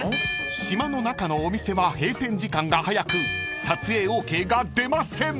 ［島の中のお店は閉店時間が早く撮影ＯＫが出ません］